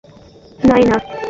কি হয়, নায়না?